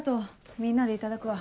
みんなでいただくわ。